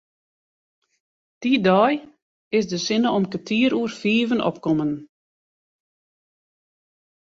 Dy dei is de sinne om kertier oer fiven opkommen.